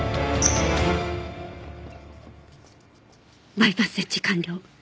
バイパス設置完了。